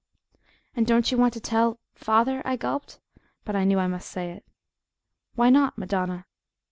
"And don't you want to tell father?" I gulped, but I knew I must say it. "Why not, Madonna?"